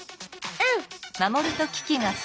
うん！